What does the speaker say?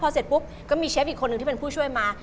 พอเสร็จปุ๊บก็มีเชฟอีกคนหนึ่งที่เป็นผู้ช่วยมา